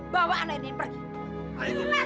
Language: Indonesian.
bawa anak ini pergi